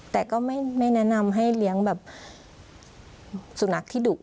แต่ก็ไม่แนะนำให้เลี้ยงแบบสุนัขที่ดุ